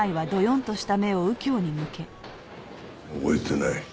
覚えてない。